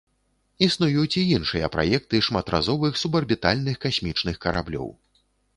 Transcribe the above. Існуюць і іншыя праекты шматразовых субарбітальных касмічных караблёў.